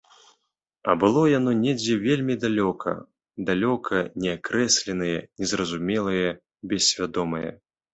А было яно недзе вельмі далёка, далёка, неакрэсленае, незразумелае, бессвядомае.